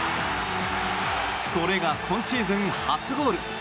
これが今シーズン初ゴール！